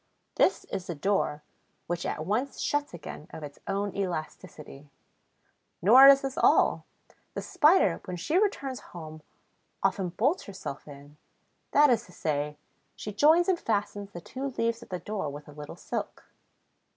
This is the door, which at once shuts again of its own elasticity. Nor is this all: the Spider, when she returns home, often bolts herself in; that is to say, she joins and fastens the two leaves of the door with a little silk.